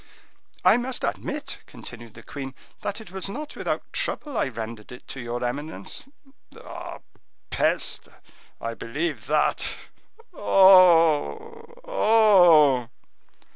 "I must admit," continued the queen, "that it was not without trouble I rendered it to your eminence." "Ah, peste! I believe that. Oh! oh!"